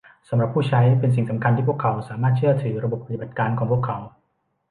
สำหรับผู้ใช้เป็นสิ่งสำคัญที่พวกเขาสามารถเชื่อถือระบบปฏิบัติการของพวกเขา